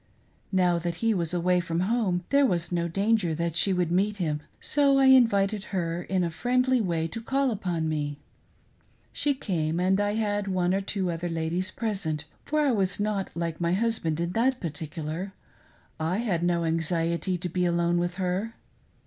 Now that he was away from home there was no danger that she would meet him, so I invited her in a friendly way to call upon me. She came, and I had one or two other ladies present, for I was not like my husband in that particular —/ had no anxiety to be alone with her.